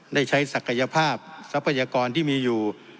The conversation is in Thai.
ได้ใช้ศักยภาพทรัพยากรที่มีอยู่